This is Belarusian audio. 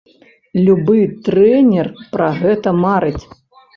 Любы трэнер пра гэта марыць.